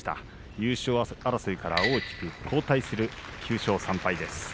優勝争いから大きく後退する９勝３敗です。